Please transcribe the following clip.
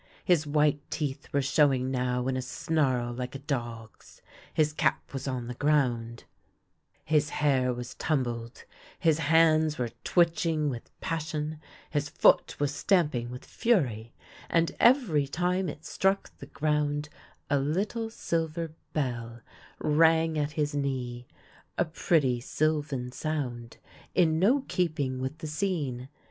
His white teeth were showing now in a snarl like a dog's, his cap was on the ground, his hair 102 THE LANE THAT HAD NO TURNING was tumbled, his hands were twitching with passion, his foot was stamping with fury, and every time it struck the ground a httle silver bell rang at his knee, a pretty sylvan sound, in no keeping with the scene.